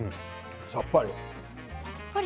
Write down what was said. さっぱり。